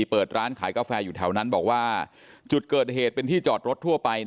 เปิดร้านขายกาแฟอยู่แถวนั้นบอกว่าจุดเกิดเหตุเป็นที่จอดรถทั่วไป